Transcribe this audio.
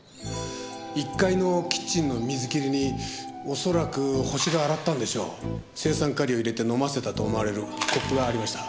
１階のキッチンの水切りに恐らくホシが洗ったんでしょう青酸カリを入れて飲ませたと思われるコップがありました。